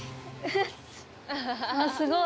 わあすごい！